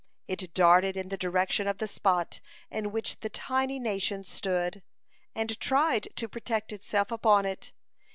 It darted in the direction of the spot in which they tiny nation stood, and tried to project itself upon it.